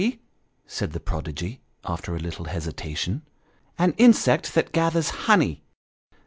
" said the prodigy, after a little hesitation " an insect that gathers honey."